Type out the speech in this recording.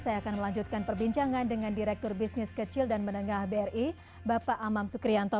saya akan melanjutkan perbincangan dengan direktur bisnis kecil dan menengah bri bapak amam sukrianto